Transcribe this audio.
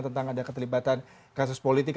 tentang ada keterlibatan kasus politik